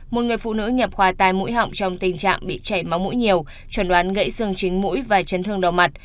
một người phụ nữ nhập khoa tai mũi họng trong tình trạng bị chảy máu mũi nhiều chuẩn đoán gãy xương chính mũi và chấn thương đầu mặt